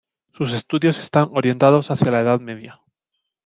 Sus estudios están orientados hacia la Edad Media.